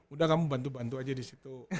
udah kamu bantu bantu aja disitu